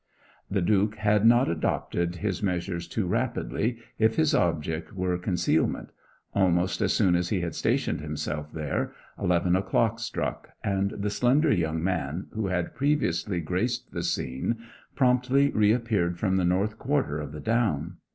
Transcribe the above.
The Duke had not adopted his measures too rapidly, if his object were concealment. Almost as soon as he had stationed himself there eleven o'clock struck, and the slender young man who had previously graced the scene promptly reappeared from the north quarter of the down.